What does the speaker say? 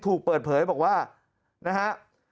ถูกเปิดเผยบอกว่านะฮะ